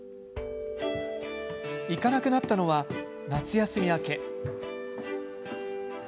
行かなくなったのは夏休み明け。